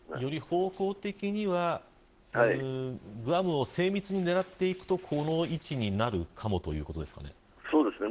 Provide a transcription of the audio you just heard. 方向的にはグアムを精密に狙うとこの位置になるかもということですかね。